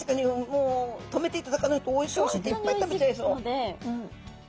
もう止めていただかないとおいしいおいしいっていっぱい食べちゃいそう。